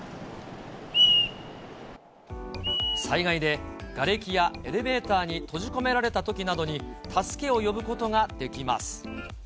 災害でがれきやエレベーターに閉じ込められたときなどに、助けを呼ぶことができます。